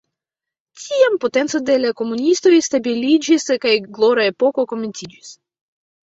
Tiam potenco de la komunistoj stabiliĝis kaj "glora epoko" komenciĝis.